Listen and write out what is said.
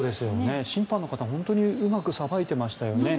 審判の方、本当にうまくさばいてましたよね。